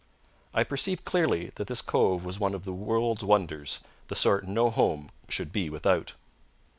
I perceived clearly that this cove was one of the world's wonders, the sort no home should be without.